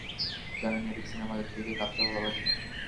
জানেন, Eric cinema দেখতে গিয়ে কাঁদতে ভালোবাসে।